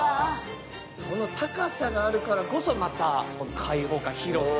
この高さがあるからこそ、開放感、広さ。